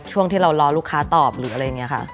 ช่วงที่เรารอลูกค้าตอบหรืออะไรอย่างนี้ค่ะ